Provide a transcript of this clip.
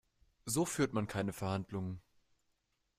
So führt man keine Verhandlungen.